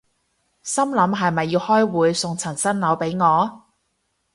心諗係咪要開會送層新樓畀我